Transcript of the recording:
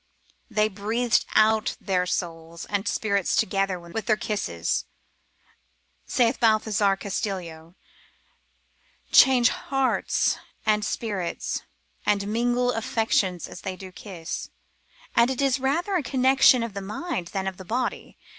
They breathe out their souls and spirits together with their kisses, saith Balthazar Castilio, change hearts and spirits, and mingle affections as they do kisses, and it is rather a connection of the mind than of the body.